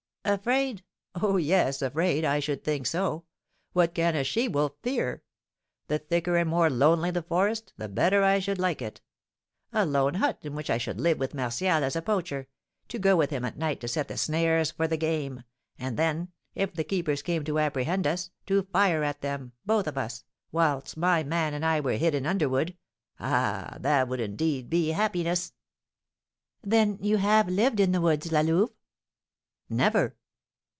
"Afraid! Oh, yes, afraid! I should think so! What can a she wolf fear? The thicker and more lonely the forest, the better I should like it. A lone hut in which I should live with Martial as a poacher, to go with him at night to set the snares for the game, and then, if the keepers came to apprehend us, to fire at them, both of us, whilst my man and I were hid in underwood, ah, that would indeed be happiness!" "Then you have lived in the woods, La Louve?" "Never."